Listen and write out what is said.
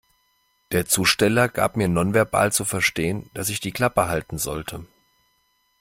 Der Zusteller gab mir nonverbal zu verstehen, dass ich die Klappe halten sollte.